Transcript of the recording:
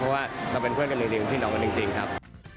เพราะว่าเราเป็นเพื่อนกันจริงพี่น้องกันจริงครับ